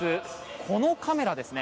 このカメラですね。